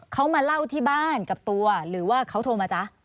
เขามาเล่าที่บ้านกับตัวหรือว่าเขาโทรมาจ๊ะ